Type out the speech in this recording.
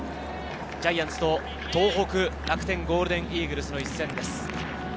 ジャイアンツと、東北楽天ゴールデンイーグルスの一戦です。